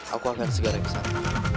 aku akan segera kesana